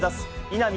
稲見